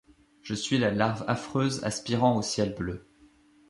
Je suis la larve affreuse aspirant au ciel bleu ;